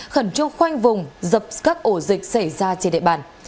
khẩn trương khoanh vùng dập các ổ dịch xảy ra trên địa bàn